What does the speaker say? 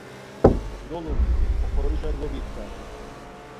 Dolumcu, oxorişa gobiktare.